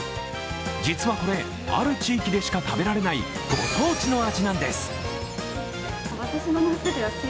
実はこれ、ある地域でしか食べられないご当地の味なんです。